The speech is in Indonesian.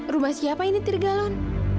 rumah siapa ini tirgalon